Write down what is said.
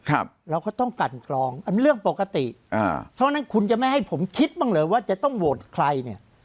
เราก็ต้องกันกรองอันเรื่องปกติอ่าเพราะฉะนั้นคุณจะไม่ให้ผมคิดบ้างเหรอว่าจะต้องโหวตใครเนี่ย